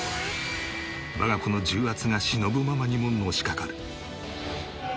我が子の重圧がしのぶママにものしかかる。